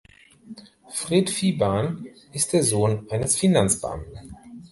Fred Viebahn ist der Sohn eines Finanzbeamten.